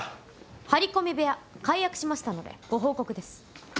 張り込み部屋解約しましたのでご報告です。